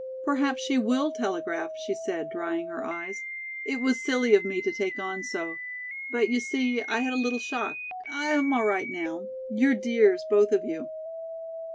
"Perhaps she will telegraph," she said, drying her eyes. "It was silly of me to take on so, but, you see, I had a little shock I'm all right now. You're dears, both of you."